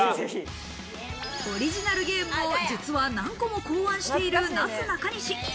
オリジナルゲームを実は何個も考案している、なすなかにし。